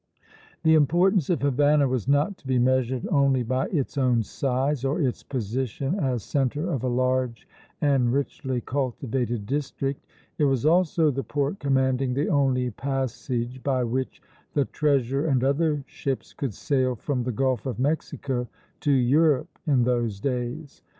The importance of Havana was not to be measured only by its own size, or its position as centre of a large and richly cultivated district; it was also the port commanding the only passage by which the treasure and other ships could sail from the Gulf of Mexico to Europe in those days.